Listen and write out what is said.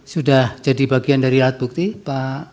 sudah jadi bagian dari alat bukti pak